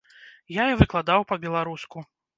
Я і выкладаў па-беларуску.